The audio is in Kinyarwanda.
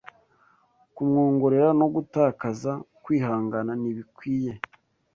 Kumwongorera no gutakaza kwihangana ntibikwiye